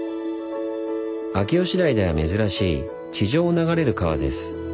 秋吉台では珍しい地上を流れる川です。